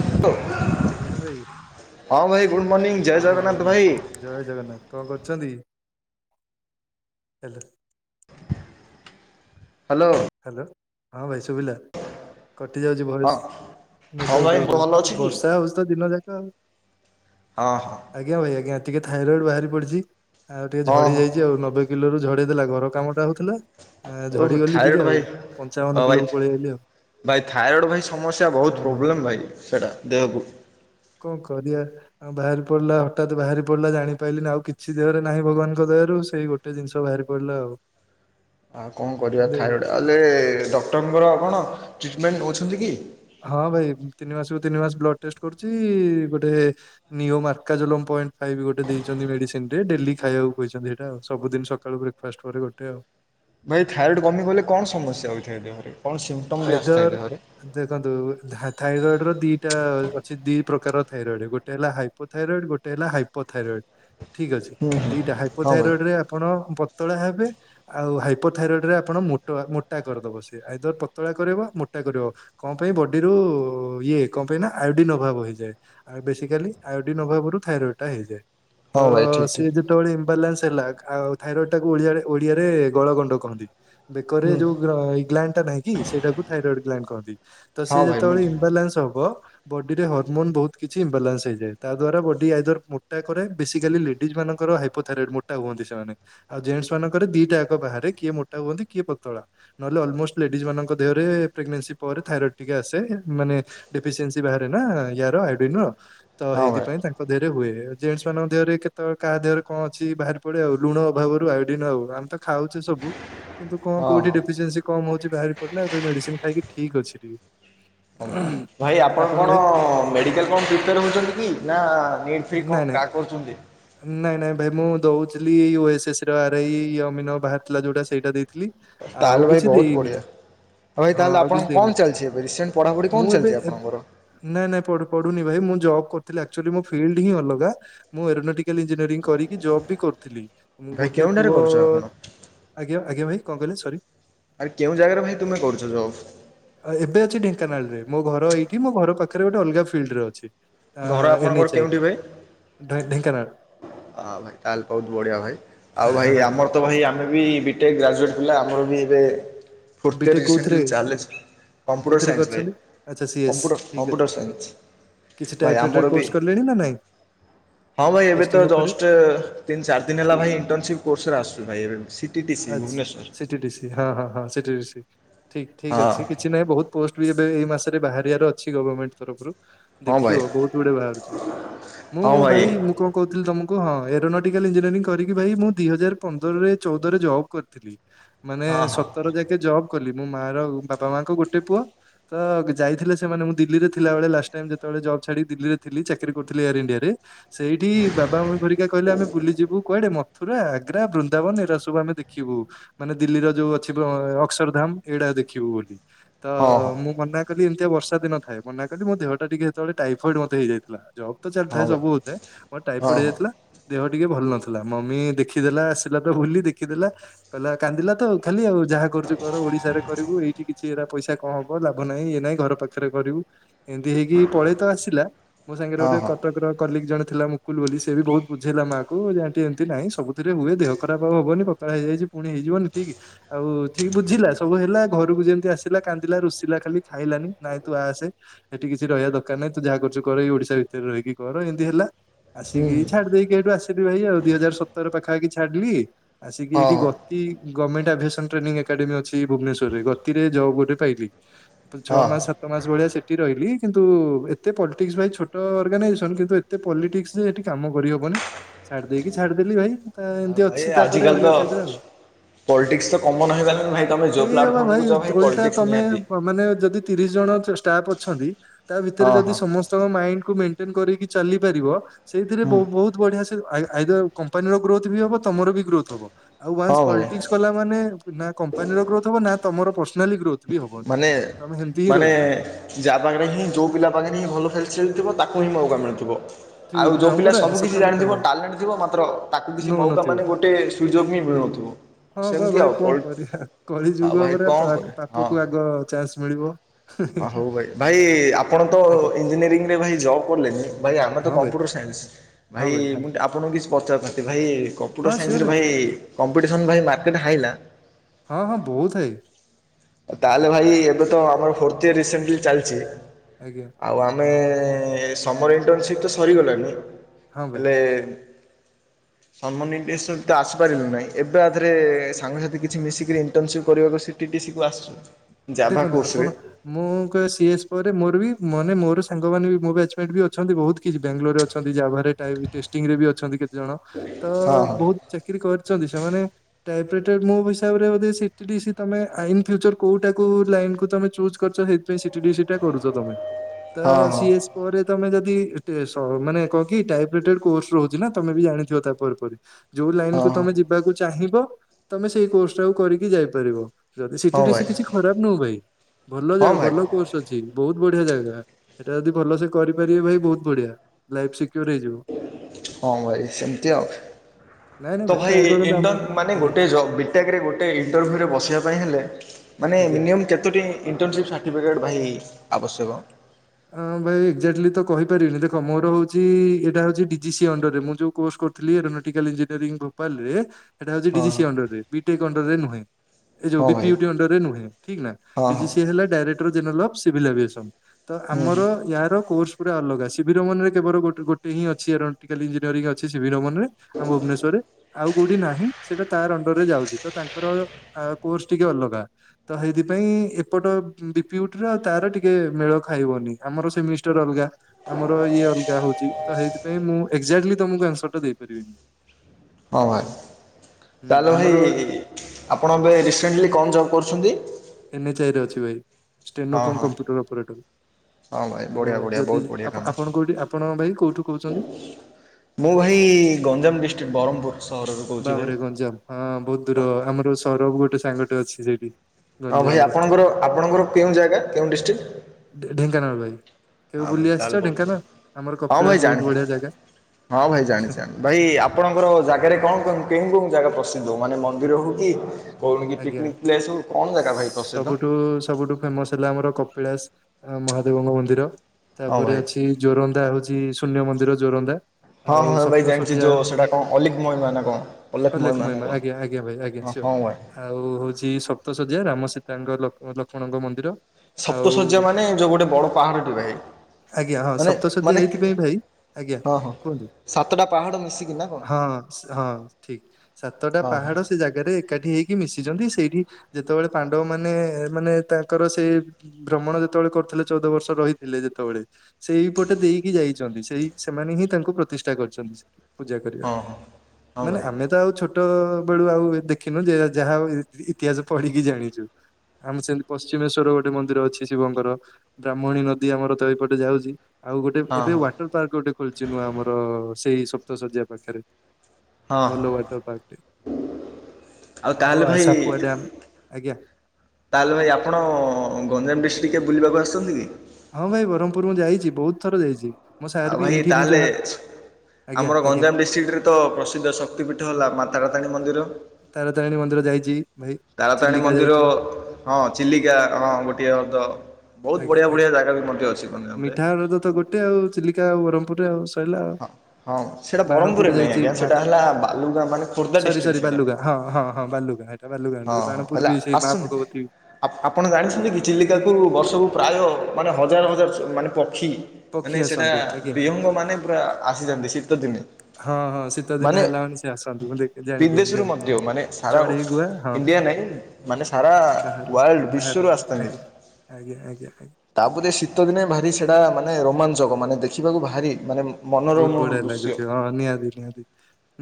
Hello. Good morning ଭାଇ ହଁ ଭାଇ ଗୁଡୁ ମୋର୍ନିଂ ଜୟ ଜଗନ୍ନାଥ ଭାଇ। ଜୟ ଜଗନ୍ନାଥ କ କରୁଛନ୍ତି? ହ୍ୟାଲୋ। ହ୍ୟାଲୋ। ହ୍ୟାଲୋ ହଁ ଭାଇ ସୁବିଲା। କଟି ଯାଉଛି ହଁ ଭଏସେ। ହଁ ନେଟୱାର୍କ ଭାଇ ମୁଁ ପ୍ରୋବ୍ଲେ ଭଲ ଅଛି କି? ବର୍ଷା ହଉଛି ତ ଦିନ ଯାକ ଆଉ। ହଁ ହଁ। ଆଜ୍ଞା ଭାଇ ଆଜ୍ଞା ଟିକେ ଥାଇରେଡ଼େ ବାହାରି ପଡ଼ିଛି। ଆଉ ଟିକେ ହଁ ହଁ ଝଡ଼ିଯାଇଛି ଆଉ ନବେ କିଲୋ ରୁ ଝଡ଼େଇ ଦେଲା ଘର କାମଟା ହଉଥିଲା। ଓହୋ ଝଡ଼ିଗଲି ଟିକେ ଥାଇରଏଡ଼୍ ଆଉ। ଭାଇ ପଞ୍ଚାବନ ହଁ ଭାଇ କିଲୋ କୁ ପଳେଇଲି ଆଉ। ଭାଇ ଥାଇରଡ଼୍ ଭାଇ ସମସ୍ୟା ବହୁତୁ ହଁ ପ୍ରୋବ୍ଲେମ୍ ଭାଇ ସେଟା ଦେହକୁ। କ କରିବା ଭାଇ। ଆଉ ବାହାରି ପଡିଲା ହଠାତ୍ ବାହାରି ପଡିଲା ଜାଣି ପାରିଲିନି ଆଉ କିଛି ଦେହରେ ନାହିଁ ଭଗବାନଙ୍କ ଦୟାରୁ ସେଇ ଗୋଟେ। ଗୋଟେ ଜିନିଷ ବାହାରି ପଡିଲା ଆଉ। ଆଉ କଣ କରିବା ଦେହ ଥାଇରଡ଼। ଏଲେ ଡକ୍ଟରଙ୍କର କଣ ଟିଟିମେଣ୍ଟେ ହେଉଛନ୍ତି କି? ହଁ ଭାଇ ତିନି ମାସକୁ ତିନି ମାସ ବ୍ଲଡ ଟେଷ୍ଟ କରୁଛି ଏପଟେ। ନିୟୁ ମାର୍କା ଜଲମ ପଏଣ୍ଟେ ଫାଇପି ଗୋଟେ ଦେଇଛନ୍ତି ମେଡିସିନି ଟେଡେଲି ଖାଇବାକୁ କହିଛନ୍ତି ସେଇଟା ଆଉ। ସବୁଦିନି ସକାଳୁ ଫାଷ୍ଟ ଫରେ ଗୋଟେ ଆଉ। ଭାଇ ଥାଇରଏଡ କମିଗଲେ କଣ ସମସ୍ୟା ହୋଇଥାଏ ଦେହରେ କଣ ସିମ ଆଇଦର ଦେଖନ୍ତୁ ଥାଇରଏଡ ର ଦିଟା ଅଛି ଦି ପ୍ରକାର ଥାଇରଏଡ ଗୋଟେ ହେଲା ହାଇପୋ ଥାଇରଏଡ ଗୋ ଗୋଟେ ହେଲା ହାଇପୋ ଥାଇରଏଡ଼ ଠିକ ଅଛି ହୁଁ ହୁଁ ଦିଟା ହାଇପୋ ହଁ ଭାଇ ଥାଇରଡରେ ଆପଣ ପତଳା ହେବେ ଆଉ ହାଇପର ଥାଇରଏଡ ରେ ଆପଣ ମୋଟ ମୋଟା କରିଦବ ସେ ଆଇଦର ପ ପତଳା କରିବ ମୋଟା କରିବ କଣ ପାଇଁ ବଡିରୁ ଇଏ କଣ ପାଇଁ ନା ଆୟୋଡିନ ଅଭାବ ହେଇଯାଏ। ଆଉ ବେସିକାଲି ଆୟୋଡିନ ଅଭାବରୁ ଥାଇରଏଡ ଟା ହେଇଯାଏ ତ ହଁ ଭାଇ ଠିକ୍ ସି ଠିକ୍ ଜେ ଯେତେବେଳେ ଇମ୍ବାଲାନ୍ସ ହେଲା ଆଉ ଥାଇରଏଡ ଟାକୁ ଓଡିଆରେ ଓଡ଼ିଆରେ ଗଳ ଗଣ୍ଡ କହନ୍ତି। ବେକରେ ହୁଁ ଯୋଉ ଗ୍ଲାଣ୍ଡ ଟା ନାହିଁ କି ସେଇଟାକୁ ଥାଇରଏଡ ଗ୍ଲାଣ୍ଡ କହନ୍ତି। ତ ହଁ ସିଏ ଭାଇ ମୁଁ ଯେତେବେଳେ ଇମ୍ବାଲାନ୍ସ ହବ ବଡି ରେ ହର୍ମୋନ ବହୁତ କିଛି ଇମ୍ବାଲାନ୍ସ ହେଇଯାଏ ତା ଦ୍ଵାରା ବଡି ଆଇଦର ମୋଟା କରେ ବେସିକାଲି ଲେଡିଜ ମାନଙ୍କର ହାଇପ ହାଇପୋ ଥାଇରଏଡ଼ ମୋଟା ହୁଅନ୍ତି ସେମାନେ ଆଉ ଜେଣ୍ଟସ ମାନଙ୍କର ଦିଟା ଆଗ ବାହାରେ କିଏ ମୋଟା ହୁଅନ୍ତି କିଏ ପତଳା। ନହେଲେ ଅଲମୋଷ୍ଟ ଲେଡିଜ ମାନଙ୍କ ଦେହରେ ପ୍ରେଗନେନ୍ସି ପରେ ଥାଇରଏଡ ଟିକେ ଆସେ ମାନେ ଏପିସେନସି ବାହାରେ ନା ୟାର ଆୟୋଡିନ ର ତ ହଁ ଭାଇ ହେଇଥିପାଇଁ ତାଙ୍କ ତାଙ୍କ ଦେହରେ ହୁଏ ଜେଣ୍ଟସ୍ ମାନଙ୍କ ଦେହରେ କେତେ କାହା ଦେହରେ କଣ ଅଛି ବାହାରି ପଡେ ଆଉ ଲୁଣ ଅଭାବରୁ ଆୟୋଡିନ ଆଉ ଆମେତ ଖାଉଚୁ ସବୁ। କିନ୍ତୁ କଣ ହଁ କୋଉଠି ହଁ ଡେଫିସିଏନ୍ସି କମ ହଉଛି ବାହାରି ପଡ଼ିଲା ଏବେ ମେଡିସିନ ଖାଇକି ଠିକ୍ ଅଛି ଟିକେ। ହଉ ହୁଁ। ଭାଇ ଆପଣ କଣ ମେଡ଼ିକାଲ କଣ ପ୍ରିପେୟାର୍ ହେଉଛନ୍ତି କି ନା ନେଟ୍ ଫ୍ରି ନାଇଁ କଣ ନାଇଁ କ୍ରାକ୍ କରୁଛନ୍ତି। ନାଇଁ ନାଇଁ ଭାଇ ମୁଁ ଦଉଥିଲି ଓ ଏସ୍ ଏ ର ଆରଆଇ ଅମିନ ବାହାରି ଥିଲା ଯୋଉଟା ସେଇଟା ଦେଇ ଥିଲି ଆଉ କିଛି ଦେଇନି। ହଉ ଭାଇ ହଁ ତାହେଲେ ଆଉ ଆଣ କିଛି ଦେଇନି କଣ ଚାଲିଛି ଏବେ ରିସେଣ୍ଟ ପଢ଼ାପଢ଼ି ମୁଁ କଣ ଏବେ ଚାଲିଛି ଆପଣଙ୍କର? ନାଇଁ ନାଇଁ ପଢ଼ ପଢୁନି ଭାଇ ମୁଁ ଜବ କରିଥିଲି ଆକଚୁଆଲି ମୋ ଫିଲ୍ଡ ହିଁ ଅଲଗା। ମୁଁ ଏରୋନେଟିକାଲ ଇଞ୍ଜିନିୟରିଂ କରିକି ଜବ୍ ବି କରୁଥିଲି ମୁଁ ଭାଇ ଗୋଟେ କେଉଁଠାରେ ପୁଅ କରୁଛ ଆପଣ? ଆଜ୍ଞା ଆଜ୍ଞା ଭାଇ କଣ କହିଲେ ସରି। ଆରେ କେଉଁ ଜାଗାରେ ଭାଇ ତୁମେ କରୁଛ ଜବ୍। ଏବେ ଅଛି ଢେଙ୍କାନାଳ ରେ ମୋ ଘର ଏଇଠି ମୋ ଘର ପାଖରେ ଗୋଟେ ଅଲଗା ଫିଲ୍ଡ ରେ ଅଛି। ଆ ଘର ଏନେ ଆପଣଙ୍କର ଏଚ ଆଇ କେଉଁଠି ଢେଙ୍କାନାଳ। ଅ ଭାଇ ତାହେଲେ ବହୁତ ବଢିଆ ଭାଇ ଆଉ ଭାଇ ଆମର ତ ଭାଇ ଆମେ ବି ବିଟେକ୍ ଗ୍ରାଜୁଏଟ୍ ପିଲା ଆମର ବି ଏବେ ଫୋର୍ଥ ଇୟର ବିଟେକ୍ କୋଉଥିରେ ରିସେଣ୍ଟଲି ଚାଲେ କମ୍ପ୍ୟୁଟର କୋଉଥିରେ ସାଇନ୍ସ ଭାଇ କରିଛନ୍ତି ଆଚ୍ଛା ସିଏସ୍ କମ୍ପ୍ୟୁଟର ଠିକ୍ ଅଛି କମ୍ପ୍ୟୁଟର ଠିକ୍ ଅଛି ସାଇନ୍ସ। କିଛି ଭାଇ ଟାଇପ୍ ରାଇଟର୍ ଆମର ବି କୋର୍ସ କଲେଣି ନା ନାଇଁ ହଁ ଭାଇ ଏବେ ଟେଷ୍ଟିଂ ତ ଉପରେ ଜଷ୍ଟ ତିନ ଚାର ଦିନ ହେଲା ଭାଇ ଇଣ୍ର୍ନସିପ କୋର୍ସରେ ଆସୁଛି ଭାଇ। ସିଟିଟିସି ଆଛା ଭୁବନେଶ୍ୱର। ସିଟି ଡିସି ହଁ ହଁ ହଁ ସିଟି ଡିସି ଠିକ ଠିକ ଅଛି ହଁ କିଛି କିଛି ନାଇଁ ବହୁତ ପୋଷ୍ଟ ବି ଏବେ ଏଇ ମାସରେ ବାହାରିବାର ଅଛି ଗଭର୍ଣ୍ଣମେଣ୍ଟ ତରଫରୁ ହଁ ଭାଇ। ଦେଖିବ ବହୁତ ଗୁଡେ ବାହାରୁଛି ମୁଁ ଭାଇ ମୁଁ କଣ କହୁଥିଲ ତମକୁ ହଁ ଏରୋଟିକାଲ ଇଞ୍ଜିନିୟରିଂ କରିକି ଭାଇ ମୁଁ ଦି ହଜାର ପନ୍ଦରରେ ଚଉ ପନ୍ଦରରେ ଜବ କରିଥିଲି ମାନେ ହଁ ହଁ। ସତରଯାକେ ଜବ କଲି ମୋ ମା ର ବାପା ମାଆଙ୍କ ଗୋଟେ ପୁଅ। ତ ଯାଇଥିଲେ ସେମାନେ ମୁଁ ଦିଲ୍ଲୀରେ ଥିଲାବେଳେ ଲାଷ୍ଟ ଟାଇମ ଯେତେବେଳେ ଜବ୍ ଛାଡି ଦିଲ୍ଲୀରେ ଥିଲି ଚାକିରି କରୁଥିଲି ଏୟାର ଇଣ୍ଡିଆରେ। ସେଇଠି ବାବାମାମା ଘରିକା କହିଲେ ଆମେ ବୁଲିଯିବୁ କୁଆଡେ ମଥୁରା ଆଗ୍ରା ବୃନ୍ଦାବନ ଏରା ସବୁ। ସବୁ ଆମେ ଦେଖିବୁ ମାନେ ଦିଲ୍ଲୀର ଯୋଉ ଅଛି ଅକ୍ଷରଧାମ ଏଇଡା ଦେଖିବୁ ବୋଲି। ତ ହଁ ମୁଁ ହଁ ମନାକ କଲି ଏମିତିଆ ବର୍ଷା ଦିନ ଥାଏ ମନା କଲି ମୋ ଦେହଟା ଟିକେ ହେତେବେଳେ ଟାଇଫଏଡ଼ ମତେ ହେଇଯାଇଥିଲା ଜବ ହଁ ଚାଲିଥାଏ ଭାଇ ସବୁ ବୋଧେ ମୋର ହଁ ଟାଇଫଏଡ ହଁ ହେଇଯାଇଥିଲା ଦେହ ଟିକେ ଭଲ ନଥିଲା ମମି ଦେଖିଦେଲା ଆସିଲା ତ ବୁଲି ଦେଖ ଦେଖିଦେଲା କାନ୍ଦିଲା ତ ଖାଲି ଆଉ ଯାହା କରୁଛୁ କର ଓଡିଶାରେ କରିବୁ ଏଇଠି କିଛି ହେରା ପଇସା ହଁ ହବ ଲାଭ ନାହିଁ ଇଏ ନାଇଁ ଘର ପାଖରେ କରିବୁ ଏମିତି ହେଇକି ପଳେଇ ତ ଆସିଲା ମୋ ସାଙ୍ଗରେ ହଁ ଗୋଟେ ହଁ ହୁଁ କଟକର କଲିଙ୍ଗ ଜଣେ ଥିଲା କୁଲୁ ବୋଲି ସେି ବି ବହୁ ବୁଝେଇଲା ମାକୁ ଯେ ଆଣ୍ଟି ଏମିତି ନାହିଁ ସବୁଥିରେ ହୁଏ ଦେହ ଖରା ଆଉ ହବନି ପତଳା ହେଇଯାଇଛି ପୁଣି ହେଇଯିବନି ଠିକ ଆଉ ଠିକ ବୁଝିଲା ସବୁ ହେଲା ଘରକୁ ଯେମିତି ଆସିଲା କାନ୍ଦିଲା ରୁଷିଲା ଖାଲି ଖାଇଲାନି ନାଇଁ ତୁ ଆସେ ଏଠି କିଛି ରହିବା ଦରକାର ନାହିଁ ତୁ ଯାହା କରୁଛୁ କର ଏଇ ଓଡିଶା ଭିତରେ ରହିକି କର ଏମିତି ହେଲା ଆସିକି ହୁଁ ଛାଡି ଦେଇକି ଏଇଠୁ ଆସିଲି ଭାଇ ଆଉ ଦିଇ ହଜାର ସତର ପାଖାପାଖି ଛାଡିଲି ଆସିକି ହଁ ଏଇଠି ହଁ ଗଭର୍ଣ୍ଣମେଣ୍ଟ ଆଭିଏସ ଟ୍ରେନିଂ ଏକାଡେମୀ ଅଛି ଭୁବନେଶ୍ୱରରେ ଗତିରେ ଜବ୍ ଗଟେ ପାଇଲି ଛଅ ମାସ ହଁ। ସାତ ମାସ ଭଳିଆ ସେଠି ରହିଲି କିନ୍ତୁ ଏତେ ପଲିଟିକ୍ସ ଭାଇ ଛୋଟ ଅର୍ଗାନାଇଜେସନ କିନ୍ତୁ ଏତେ ପଲିଟିକ୍ସ ରେ ସେଠି କାମ କରିହବନି ଛାଡି ଦେଇକି ଛାଡିଦେଲି ଭାଇ ତା ଆଉ ଏମିତି ଭାଇ ଅଛି ପରେ ଆଜିକାଲି ତ ଅଲଗା ଫେଦରେ ଆଉ [inaudible] ପଲିଟିକ୍ସ ତ କମନ ହେଇଗଲାଣିି ଭାଇ ତମେ ଜୋଉ ଏଇ ବା ପ୍ଲାଟଫର୍ମକୁ ଯାଅ ଭାଇ ଓଲଟା ପଲିଟ୍ସ ତମେ ନିହାତି ମାନେ ଯଦି ତିରିଶ ଜଣ ଷ୍ଟାଫ ଅଛନ୍ତି ତା ଭିତରେ ହଁ ଯଦି ହଁ ସମ ତମ ମାଇଣ୍ଡିକୁ ମେଣ୍ଟନ କରିକି ଚାଲିପାରିବ ସେଇଥିରେ ହୁଁ ବହୁତ ବଢିଆସେ ଆଇଦର କମ୍ପାନୀର ଗ୍ରୋଥ ବି ହବ ତମର ବି ଗ୍ରୋଥବ ଆଉ ୱାନ୍ସ ହଁ ଭାଇ। ପଲିଟିକ୍ସ କଲା ମାନେ ନା କମ୍ପାନୀର ଗ୍ରୋଥ ହବ ନା ତମର ପର୍ସନାଲି ଗ୍ରୋଥ ବି ହବନି। ମାନେ ତମେ ହେମିତି ହିଁ ମାନେ ରହିବ ଯାହା ପାଖରେ ହିଁ ଯେଉଁ ପିଲା ପାଖରେ ହିଁ ଭଲ ଫେଲସ ଖେଳିଥିବ ତାକୁ ହିଁ ମୌକା ମିଳୁଥିବ ଠିକ ଆଉ ଯୋଉ ହଁ ପିଲା ପରା ସବୁ ସତ କିଛି କଥା ଜାଣିଥିବ ଭାଇ ଟ୍ୟାଲେଣ୍ଟ ଥିବ ମାତ୍ର ତାକୁ କିଛି ମୌକା ନଉନଥିବ ମାନେ ଗୋଟେ ସୁଯୋଗ ବି ମିଳୁନଥିବ ହଁ ବା ସେମିତି ଭାଇ ଆଉ କଣ ପଲ୍ କରିବା କଳି ଆଉ ଯୁଗ ଭାଇ ପରା କଣ କରେ ହଁ। ପାପକୁ ଆଗ ଚାନ୍ସ ମିଳିବ ହଁ ହଉ ଭାଇ ଭାଇ ଆପଣ ତ ଆଜ୍ଞା ଇଞ୍ଜିନିୟରିଂରେ ଭାଇ ଜବ୍ କଲେନି ଭାଇ ଆମେ ତ ହଁ ଭାଇ କମ୍ପ୍ୟୁଟର ସାଇନ୍ସ ହଁ ଭାଇ ହଁ ମୁଁ ଆପଣଙ୍କୁ କିଛି ପଚାର ଥାନ୍ତି ଭାଇ କମ୍ପ୍ୟୁଟର ହଁ ସିଓର ସାଇନ୍ସରେ ଭାଇ କମ୍ପିଟିସନ୍ ଭାଇ ମାର୍କେଟ୍ ହାଇଲା ହଁ ହଁ ବହୁତ ହାଇ ତାହେଲେ ଭାଇ ଏବେ ତ ଆମର ଫୋର୍ଥ ଇୟର ରିସେଣ୍ଟଲି ଚାଲିଛି ଆଜ୍ଞା ଆଉ ଆମେ ସମର୍ ଇଣ୍ଟର୍ନସିପ୍ ତ ସରିଗଲଣି ହଁ ଭାଇ ହେଲେ ସମ୍ମାନ ଇଣ୍ଟରେସ ତ ଆସିପାରିଲୁ ନାହିଁ ଏବେ ଆଧରେ ସାଙ୍ଗସାଥି କିଛି ମିଶିକରି ଇଣ୍ଟରସିପ କରିବାକୁ ସିଟି ଡିସି କୁ ଆସିଛୁ ଜାଭା ଦେଖନ୍ତୁ କୋର୍ସରେ ଆପଣ ମୁଁ କହ ସିଏସ୍ ପରେ ମୋର ବି ମାନେ ମୋର ସାଙ୍ଗମାନେ ମୋ ବ୍ୟାଚ୍ମେଟ ବି ଅଛନ୍ତି ବହୁତ କିଛି ବାଙ୍ଗାଲୋର ରେ ଅଛନ୍ତି ଯାହା ଭହାରେ ଟେଷ୍ଟିଂ ରେ ବି ଅଛନ୍ତି କେତେ ଜଣ ତ ହଁ ହଁ ବହୁତ ଚାକିରି କରିଛନ୍ତି ସେମାନେ ମୋ ହିସାବରେ ବୋଧେ ସିଟି ଡିସି ମାନେ ତମେ ଆଇନ ଫିଚର କୋଉଟା କୋଉ ଲାଇନ୍ କୁ ତମେ ଚୁଜ କରିଛ ସେଇଥିପାଇଁ ସିଟି ଡିସି ଟା କରୁଛ ତମେ ତା ହଁ ହଁ ସିଏସ ପରେ ତମେ ଯଦି ମାନେ କହ କି ଟାଇପ କୋର୍ସ ରହୁଛି ନା ତମେ ବି ଜାଣିଥିବ ତାପରେ ପରେ ଯୋଉ ହଁ ଲାଇନକୁୁ ହଁ। ତମେ ଯିବାକୁ ଚାହିଁବ ତମେ ସେଇ କୋର୍ସ ଟାକୁ କରିକି ଯାଇପାରିବ ଯଦି ସିଟି ହଁ ଡିସି ଭାଇ କିଛି ଖରାପ ନୁହଁ ଭାଇ ଭଲ ରେ ହଁ ଭାଇ ଭଲ କୋର୍ସ ଅଛି ବହୁତ ବଢିଆ ଜାଗା ଏଟା ଯଦି ଭଲ ସେ କରିପାରିବେ ଭାଇ ବହୁତ ବଢିଆ। ଲାଇଫ ସିକ୍ୟର ହେଇଯିବ ହଁ ଭାଇ ସେମିତି ଆଉ ନାଇଁ ନାଇଁ ତ ଭାଇ ଟ୍ରାଏ କରନ୍ତୁ ଆମ ଇଣ୍ଟନ ମାନେ ଆଜ୍ଞା ଗୋଟେ ଜବ ବି [unintelligible] ଗୋଟେ ଇଣ୍ଟରଭ୍ୟୁରେ ବସିବା ପାଇଁ ହେଲେ ମାନେ ଆଜ୍ଞା ମିନିମମ୍ କେ ତଟି ଇଣ୍ଟର୍ଣ୍ନସିପ୍ ସାର୍ଟିଫିକେଟ୍ ଭାଇ ଆବଶ୍ୟକ। ହଁ ଭାଇ, ଏକ୍ଜାକ୍ଟଲି ତ କହିପାରିବିନି। ଦେଖ ମୋର ହଉଛି ଏଟା ହଉଛି ଡିଜି ସି ଅଣ୍ଡରରେ, ମୁଁ ଯୋଉ କୋର୍ସ କରୁ [unintelligible] ଏଟା ହଉଛି ହଁ ହଁ ଡିଜିସି ଅଣ୍ଡରରେ, ବିଟେକ ଅଣ୍ଡରରେ ନୁହେଁ। ଏ ଯୋ ହଁ ଭାଇ ବିପିଉଟି ଅଣ୍ଡରରେ ନୁହେଁ ଠିକ୍ ନା। ହଁ ହଁ [unintelligible] ହୁଁ ହେଲା ଡାଇକ୍ଟର ଜେନେଫ ସିଭିଲାଇଜେସନ୍। ତ ହୁଁ ଆମର ଏହାର କୋର୍ସ ପୁରା ଅଲଗା। ସିଭି ରମଣ କେବଳ ଗୋ ଗୋଟେ ଅଛି [inaudible] ଇଞ୍ଜିୟରିଂ ଅଛି ସିଭି ରମଣ। [unintelligible] ଆମ ଭୁବନେଶ୍ୱରରେ। ଆଉ କୋଉଠି ନାହିଁ, ସେଇଟା ତାର ଅଣ୍ଡରରେ ଯାଉଛି, ତ ତାଙ୍କର କୋର୍ସ ଟିକେ ଅଲଗା। ତ ସେଇଥିପାଇଁ ଏପଟ ବିପିଉଟିର ଆଉ ତାର ଟିକେ ମେଳକ ଖାଇବନି ଆମର ସେଇ ମିଷ୍ଟର ଅଲଗା। ଆମର ଇଏ ଅଲଗା ହଉଛି। ତ ସେଇଥିପାଇଁ ମୁଁ ଏକ୍ଜାକ୍ଟଲି ତମକୁ ଆନ୍ସର ଟା ଦେଇପାରିବିନି। ହଁ ଭାଇ, ହୁଁ ତାହେଲେ ଆମର ଭାଇ ଆପଣ ଏବେ ରିସେଣ୍ଟଲି କଣ ଜବ୍ କରୁଛନ୍ତି? ଏନ୍ଏଚ ଆଇ ରେ ଅଛି ଭାଇ ହଁ ଷ୍ଟେନୋକମ୍ ହଁ କମ୍ପ୍ୟୁଟର ଅପରେଟର। ହଁ ଭାଇ ଆମ ବଢ଼ିଆ ବଢ଼ିଆ ଯଦି ବହୁତ ବଢ଼ିଆ କାମ। ଆପଣ କୋଉଠି ଆପଣ ଭାଇ କୋଉଠୁ କହୁଛନ୍ତି? ମୁଁ ଭାଇ ଗଞ୍ଜାମ ଡିଷ୍ଟ୍ରିକ୍ଟ ବ୍ରହ୍ମପୁର ସହରରୁ କହୁଛି ଭାଇ। ବାବରେ ଗଞ୍ଜାମ ହଁ, ବହୁତ ଦୂର ଆମର ସୌରଭ ଗୋଟେ ସାଙ୍ଗଟେ ଅଛି ସେଇଠି। ହଁ ଭାଇ, ଗଞ୍ଜାମରେ ଆପଣଙ୍କର ଆପଣଙ୍କର କେଉଁ ଜାଗା କେଉଁ ଡିଷ୍ଟ୍ରିକ୍ଟ? ଢେଙ୍କାନାଳ ଭାଇ। କେବେ ହଁ ଭାଇ ବୁଲି ତାହେଲେ ଆସିଛ ବହୁତ ବଢ଼ିଆ ଢେଙ୍କାନାଳ? ଆମର ହଁ ଭାଇ କପିଳାସ ବହୁତ ଜାଣିଲି। ବଢିଆ ଜାଗା। ହଁ ଭାଇ ଜାଣିଛି ଜାଣିଛି ଭାଇ ଆପଣଙ୍କର ଜାଗାରେ କଣ କେଉଁ କେଉଁ ଜାଗା ପ୍ରସିଦ୍ଧ? ମାନେ ମନ୍ଦିର ହେଉ କି କହୁନି କି ଆଜ୍ଞା। ପିକ୍ନିକ୍ ପ୍ଲେସ୍ ହଉ କଣ ଜାଗା ଭାଇ ପ୍ରସିଦ୍ଧ? ସବୁଠୁ ସବୁଠୁ ଫେମସ ହେଲା ଆମର କପିଳାସ, ମହାଦେବଙ୍କ ମନ୍ଦିର, ହଁ ତାପରେ ଭାଇ ଅଛି ଜୋରନ୍ଦା ହଉଛି ଶୂନ୍ୟ ମନ୍ଦିର ଜୋରନ୍ଦା। ହଁ, ଆଉ ହଁ ଭାଇ, ସପ୍ତ ଜାଣିଛି ଶଯ୍ୟା ଯୋଉ ସେଇଟା କଣ ଅଲିକ ମହିମା ମାନେ କଣ? ଅଲେଖ ମହି ମାନେ ମହିମା କଣ ଆଜ୍ଞା ଆଜ୍ଞା ଭାଇ ଆଜ୍ଞା ସିଓର। ହଁ? [inaudible] ଆଉ ହେଉଛି ସପ୍ତ ଶଯ୍ୟା ରାମସୀତାଙ୍କ ଲକ୍ଷ୍ମ ଲକ୍ଷ୍ମଣଙ୍କ ମନ୍ଦିର। ସପ୍ତ ଆଉ ଶଯ୍ୟା ମାନେ ଯୋଉ ଗୋଟେ ବଡ ପାହାଡଟି ଭ ଭାଇ। ଆଜ୍ଞା। ହଁ, ମାନେ ସପ୍ତଶଯ୍ୟା ମାନେ ଏଇଥିପାଇଁ ଭାଇ ଆଜ୍ଞା ହଁ ହଁ। କୁହନ୍ତୁ। ସାତଟା ପାହାଡ଼ ମିଶିକି ନା? କଣ ହଁ, ହଁ, ଠିକ୍ ସାତଟା ହଁ ହଁ ପାହାଡ ସେ ଜାଗାରେ ଏକାଠି ହେଇକି ମିଶିଛନ୍ତି। ସେଇଠି ଯେତେବେଳେ ପାଣ୍ଡବ ମାନେ ମାନେ ତାଙ୍କର ସେ ଭ୍ରମଣ ଯେତେବେଳେ କରୁଥିଲେ ଚଉଦ ବର୍ଷ ରହିଥିଲେ ଯେତେବେଳେ। ସେଇପଟେ ଦେଇକି ଯାଇଛନ୍ତି ସେଇ ସେମାନେ ହିଁ ତାଙ୍କୁ ପ୍ରତିଷ୍ଠା କରିଛନ୍ତି। ପୂଜା କରିବା ହଁ ପାଇଁ ହଁ। ହଁ ମାନେ ଭାଇ ଆମେ ତ ଆଉ ଛୋଟ ବେଳୁ ଆଉ ଦେଖିନୁ ଯେ ଯାହା ହଉ ଇତିହାସ ପଢିକି ଜାଣିଛୁ। ଆମେ ସେମିତି ପଶ୍ଚିମେଶ୍ର ଗୋଟେ ମନ୍ଦିର ଅଛି ଶିବଙ୍କର। ବ୍ରାହ୍ମଣୀ ନଦୀ ଆମର ତ ଏପଟେ ଯାଉଛି। ଆଉ ଗୋଟେ ହଁ ଏବେ ହଁ ୱାଟର ପାର୍କ ଗୋଟେ ଖୋଲିଛି ନୁଆଁ ଆମର ସେଇ ସପ୍ତ ଶଯ୍ୟା ପାଖରେ। ହଁ ହଁ ଭଲ ୱାଟର ପାର୍କଟି। ଆଉ ତାହେଲେ ଭାଇ ସାପୁଆ ଡ୍ୟାମ ଆଜ୍ଞା ତାହେଲେ ଭାଇ ଆପଣ ଗଞ୍ଜାମ ଡିଷ୍ଟ୍ରିକ୍ଟ କିଏ ବୁଲିବାକୁ ଆସିଛନ୍ତି କି? ହଁ ଭାଇ, ବ୍ରହ୍ମପୁର ମୁଁ ଯାଇଛି ବହୁତ ଥର ଯାଇଛି। ମୋ ସାର୍ ଆଉ ବି ଭାଇ, ଏଇଠି ମୁଁ ତାହେଲେ ଯାହା ଆଜ୍ଞା ଆମର ଆଜ୍ଞା ଗଞ୍ଜାମ ଡିଷ୍ଟ୍ରିକ୍ଟରେ ପ୍ରସିଦ୍ଧ ଶକ୍ତିପୀଠ ହେଲା ମା ତାରାତାରିଣୀ ମନ୍ଦିର। ତାର ତାରିଣୀ ମନ୍ଦିର ଯାଇଛି, ଭାଇ ତାରାତାରିଣୀ ଚିଲିକା ମନ୍ଦିର ଯାଇଛି। ହଁ ଚିଲିକା ହଁ ଗୋଟିଏ ଅଦ ବହୁତ ବଢ଼ିଆ ବଢ଼ିଆ ଜାଗା ବି ମଧ୍ୟ ଅଛି ଗଞ୍ଜାମରେ ଗଟେ ଗୋଟେ ଆଉ ଚିଲିକା ଆଉ ବ୍ର୍ମପୁରରେ ଆଉ। କହିଲା ଆ ହଁ ହଁ ସେଇଟା ବ୍ରହ୍ମପୁରରେ ବାଣପୁର ନାହିଁ ଯାଇଛି ଆଜ୍ଞା ମା ସେଇଟା ହେଲା ବାଲୁଗାଁ ମାନେ ଖୋର୍ଦ୍ଧା ସରି ଡିଷ୍ଟ୍ରିକ୍ଟ ସରି ସେଇଟା। ବାଲୁକା ହଁ ହଁ। ହଁ ବାଲୁଗାଁ ଏଇା ବାଲୁଗାଁରେ ବାଣପୁର ବି ସେଇ ମା ଭଗବତୀ ବି ଆ ଆପଣ ଜାଣିଛନ୍ତି କି ଚିଲିକାକୁ ବର୍ଷକୁ ପ୍ରାୟ ମାନେ ହଜାର ହଜାର ମାନେ ପକ୍ଷୀ ମାନେ ପକ୍ଷୀ ସେଟା ଆସନ୍ତି ଆଜ୍ଞା ଆଜ୍ଞା। ବିହଙ୍ଗ ମାନେ ପୁରା ଆସିଛନ୍ତି ଶୀତ ଦିନେ। ହଁ ହଁ ଶୀତ ମାନେ ଦିନ ହେଲା ସେ ଆସନ୍ତି ମୁଁ ଦେଖ ଜାଣି ଜାଣି ବିଦେଶରୁ ଜାଣି ମଧ୍ୟ ମାନେ ସାରା ଚଢେଇ ଗୁଆ ହଁ ଇଣ୍ଡିଆ ନାଇ ମାନେ ସାରା ବାହାରୁ ୱର୍ଲ୍ଡ ବିଶ୍ୱ ବାହାରୁ ରୁ ବି। ଆସିଥାନ୍ତି। ଆଜ୍ଞା। ଆଜ୍ଞା ଆଜ୍ଞା ଆଜ୍ଞା ତାପରେ ଶୀତଦିନେ ଭାରି ସେଇଟା ମାନେ ରୋମାଞ୍ଚକ ମାନେ ଦେଖିବାକୁ ଭାରି ମାନେ ବହୁତ ମନୋରମ ବଢିଆ ଦୃଶ୍ୟ। ଲାଗୁଥିବ ହଁ ନିହାତି ନିହାତି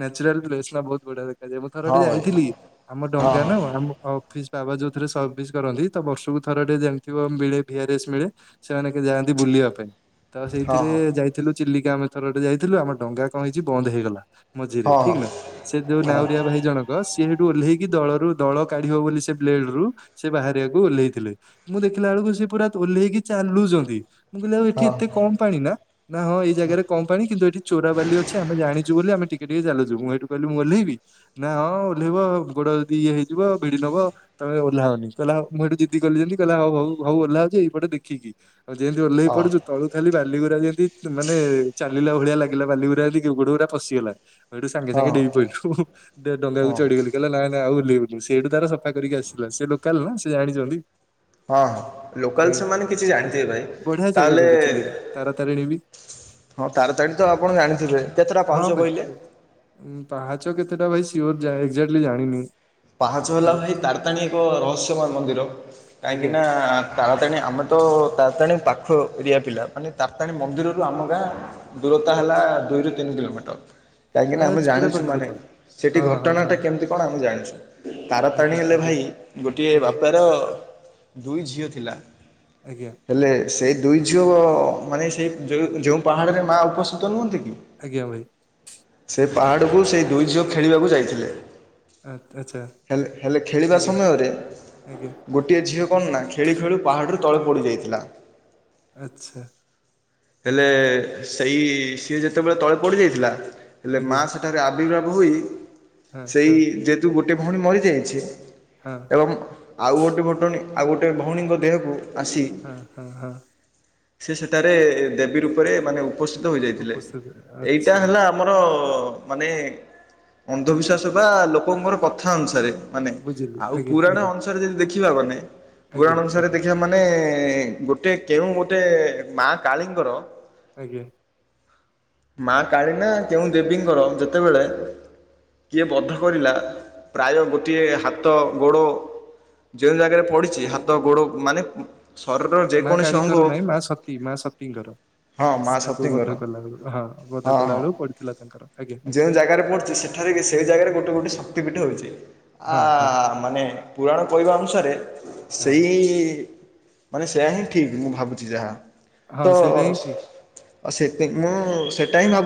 ନେଚୁରଲ ପ୍ଲେସ ନା ବହୁତ ବଢିଆ ଲାଗେ। ଯେ ମୁଁଥରଠେ ହଁ ଭାଇ ହଁ ଯାଇଥିଲି ଆମ ଡଙ୍ଗା ହଁ ନ ଆମ ଅଫିସ ବାବା ଯୋଉଥିରେ ସର୍ଭିସ କରନ୍ତି ତ ବର୍ଷକୁ ଥର ଟିକେ ଯେମିତି ମିଳେ ଭ ଆରଏସ୍ ମିଳେ। ସେମାନେ କେ ଯାଆନ୍ତି ବୁଲିବା ପାଇଁ। ତ ହଁ ସେଇଥିରେ ହଁ ଯାଇଥିଲୁ ଚିଲିକା ଆମେ ଥରଟେ ଯାଇଥିଲୁ ଆମ ଡଙ୍ଗା କଣ ହେଇଛି ବନ୍ଦ ହେଇଗଲା। ମଝିରେ ହଁ ଠିକ ହଁ। ନା ସେ ଯୋଉ ହଁ ନାଉରିଆ ଭାଇ ଜଣକ ସିଏ ସେଠୁ ଓହ୍ଲେଇକି ଦଳରୁ ଦଳ କାଢିବ ବୋଲି ସେ ବ୍ଲେଡ ରୁ ସେ ବାହାରିବାକୁ ଓହ୍ଲେଇଥିଲେ। ମୁଁ ଦେଖିଲା ବେଳକୁ ସେ ପୁରା ଓହ୍ଲେଇକି ଚାଲୁଛନ୍ତି। ମୁଁ କହିଲି ଆଉ ଏଠି ହଁ ଏତେ କମ ପାଣି ନା ନା ହଁ ଏଇ ଜାଗାରେ। କଣ ପାଣି କିନ୍ତୁ ଏଠି ଚୋରାବାଲି ଅଛି ଆମେ ଜାଣିୁଛୁ ବୋଲି ଆମେ ଟିକ ଟିକେ ଚାଲୁ ମୁଁଇଠୁ କହିଲ ମୁଁହ୍ଲେଇବି ନାାଇଁ ହଁ ଓହ୍ଲେଇବ ଗୋଡ ଯଦି ଇଏ ହେଇଯିବ ଭିଡି ନବ ତମେ ଓହ ହନି କହିଲ ମୁଁ ଏଠେିଦି କ କହିଲଉ ହଉ ହଉ ଓହ୍ଲାଉଛି ଏଇପଟ ଦେଖି ଆଉ ଯେମିତି ଓହ୍ଲେଇ ହଁ ପଡ଼ିଚ ତଳୁ ଖାଲି ବାଲିଗୁରଡ଼ା ଯେମତି ମାନେ ଚାଲିଲା ଭଳିଆ ଲାଗିଲା ବାଲିଗୁରା ଯେମତି ଗୋଟେ ଗଡା ପଶିଗଲା। ଏଇଠୁ ସାଙ୍ଗେ ହଁ ସାଙ୍ଗେ ଡେଇ ପହିଲୁ ଦେଢ ହଁ ଡାକୁଢଡିିଲି କିଲ ନା ନାଇଁ ଆଉ ଓହ୍ଲେଇ ବିନି। ସେଇଠୁ ତାର ସଫା କରିକି ଆସିଲଥିଲା ସେ ଲୋକାଲ ନା ସେ ଜାଣିଛନ୍ତି। ହଁ ଲୋକାଲ ସେମାନେ କିଛି ଜାଣିଥିବେ ଭାଇ ବଢିଆ ଜାଗା ତାହେଲେ କିନ୍ତୁ ଚିଲିକା ତାର ତାରିଣୀ ବି [inaudible] ହଁ ତାର ତାରିଣୀ ତ ଆପଣ ଜାଣିଥିବଥିବେ। ହଁ ଭାଇ ପାହାଚ କେତେଟା ଭାଇ ସିଓର ଯା ଏକ୍ଜାକ୍ଟଲି ଜାଣିନି। ପାହାଚ ହେଲା ତାର ଏଇ ତାରତାଣୀ ଏକ ରହସ୍ୟମୟ ମନ୍ଦିର କାହିଁକି ଆଜ୍ଞା ନା ତାରତାଣୀ ଆମେ ତ ତାରତାଣୀ ପାଖ ଏରିଆ ପିଲା ମାନେ ତାରତାଣୀ ମନ୍ଦିରରୁ ଆମ ଗାଁ ଦୂରତା ହେଲା ଆଚ୍ଛା, ଦୁଇରୁ ତିନି କିଲୋମିଟର ଆ କାହିଁକିନା ଆମେ ପୁରା ଜାଣିଛୁ ପାଖ ମାନେ ତ ସେଇଠି ହଁ ହଁ ହଁ ଘଟଣାଟା କେମିତି କଣ ଆମେ ଜାଣିଛୁ। ତାରାତାଣୀ ଆଜ୍ଞା ହେଲେ ଆଜ୍ଞା ଭାଇ ଗୋଟିଏ ଆଜ୍ଞା ବାପାର ଦୁଇ ଝିଅ ଥିଲା ଆଜ୍ଞା ହେଲେ ସେ ଦୁଇ ଝିଅ ମାନେ ସେଇ ଯେଉଁ ଯେଉଁ ପାହାଡ଼ରେ ମା ଉପସ୍ଥିତ ନୁହଁନ୍ତି କି ଆଜ୍ଞା ଭାଇ। ସେ ପାହାଡ଼କୁ ସେଇ ଦୁଇ ଝିଅ ଖେଳିବାକୁ ଯାଇଥିଲେ। ଆ ଆଚ୍ଛା। ଖେଳିବା ଆଜ୍ଞା ସମୟରେ ଆଜ୍ଞା ଗୋଟିଏ ଝିଅ ନାହିଁ। ଖେଳି ଖେଳୁ ପାହାଡ଼ିରୁ ତଳେ ପୋଡ଼ିଯାଇଥିଲା। ଆଚ୍ଛା। ହେଲେ ସେଇ ସିଏ ଯେତେବେଳେ ତଳେ ପଡ଼ିଯାଇଥିଲା ହେଲେ ମା ଆଜ୍ଞା ସେ ଠାରେ ଆବିର୍ଭାବ ହୋଇ ହଁ ସେଇ ହଁ ଯେହେତୁ ଗୋଟେ ଭଉଣୀ ମରିଯାଇଛି। ହଁ। ଏବଂ ଆଉ ଗୋଟେ ବଟଣି ଆଉ ଗୋଟେ ଭଉଣୀଙ୍କ ଦେହକୁ ଆସି ହୁଁ ହୁଁ ହୁଁ। ସେ ସେଠାରେ ଦେବୀ ରୂପରେ ମାନେ ଉପସ୍ଥିତ ହେଯାଇଥିଲେ ଉପସ୍ଥିତ ଏଇଟା ଆଚ୍ଛା ହେଲା ଆମର ମାନେ ଅନ୍ଧ ବିଶ୍ୟାସ ବା ଲୋକଙ୍କର କଥା ଅନୁସାରେ। ମାନେ ବୁଝିଲି ଆଉ ଆଜ୍ଞା ପୁରାଣ ଆଜ୍ଞା ଅନୁସାରେ ଯଦି ଦେଖିବା ମାନେ ପୁରାଣ ଆଜ୍ଞା ଅନୁସାରେ ରେ ଆଜ୍ଞା ଦେଖିବା ମାନେ ମାନେ ଗୋଟେ କେଉଁ ଗୋଟେ ମା କାଳୀଙ୍କର ଆଜ୍ଞା। ମା କାଳୀ ନା କେଉଁ ଦେବୀଙ୍କର ଯେତେବେଳେ କିଏ ବଧ କରିଲା ପ୍ରାୟ ଗୋଟିଏ ହାତ ଗୋଡ଼ ଯେଉଁ ଜାଗାରେ ପଡିଛି ହାତ ଗୋଡ ମାନେ ଶରୀରର ମା ଯେକୌଣସି ଅଙ୍ଗ କାଳୀଙ୍କର ନାହିଁ ମା ସତୀ ମା ସତୀଙ୍କର ହଁ ମା ତାଙ୍କୁ ବଧ ସତିଙ୍କର କଲା ବେଳୁ ହଁ ବଧ କଲାବେଳକୁ ପଡିଥିଲା କଳେ। ଆଜ୍ଞା। ଆଜ୍ଞା ଯେଉଁ ଜାଗାରେ ପଢ଼ୁଛି ସେଠାରେ କି ସେହି ଜାଗାରେ ଗୋଟେ ଗୋଟିଏ ଶକ୍ତିପୀଠ ହେଉଛି। ଆ ହଁ ହଁ ମାନେ ପୁରାଣ କହିବା ଅନୁସାରେ ହଁ ସେଇ ମାନେ ସେୟା ହିଁ ଠିକ୍ ମୁଁ ଭାବୁଛି ଯାହା ତ ହଁ ସେଇଟା ହିଁ ଠିକ ସେଥିଁ ମୁଁ ସେଟା ହିଁ ନବ